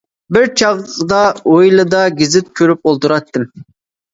بىر چاغدا ھويلىدا گېزىت كۆرۈپ ئولتۇراتتىم.